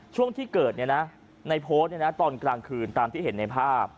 ช่วงที่เกิดในโพสต์ตอนกลางคืนตามที่เห็นในภาพ